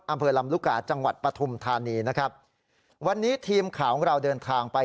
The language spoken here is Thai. อำเภอลำลูกกาจังหวัดปฐุมธานีนะครับวันนี้ทีมข่าวของเราเดินทางไป